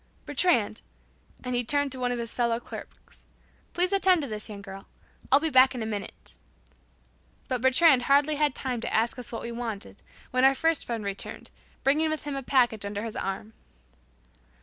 "Bertrand," and he turned to one of his fellow clerks, "please attend to this young girl. I'll be back in a minute." But "Bertrand" hardly had time to ask us what we wanted, when our first friend returned, bringing with him a package under his arm.